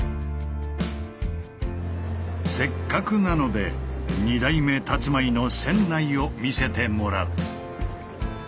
せっかくなので二代目たつまいの船内を見せてもらう。